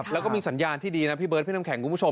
แล้วก็มีสัญญาณที่ดีนะพี่เบิร์ดพี่น้ำแข็งคุณผู้ชม